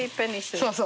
そうそう。